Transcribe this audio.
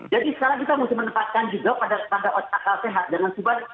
jadi sekarang kita harus menempatkan juga pada tanda otakal sehat